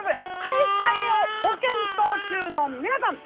買い替えをご検討中の皆さん